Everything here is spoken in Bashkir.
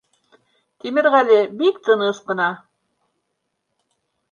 Тимерғәле бик тыныс ҡына: